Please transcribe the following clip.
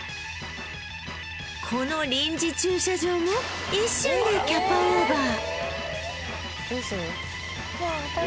この臨時駐車場も一瞬でキャパオーバー